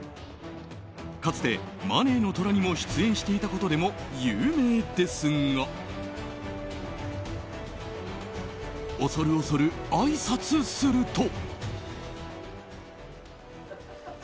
かつて、「￥マネーの虎」にも出演していたことでも有名ですが恐る恐るあいさつすると。